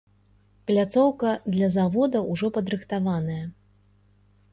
Пляцоўка для завода ўжо падрыхтаваная.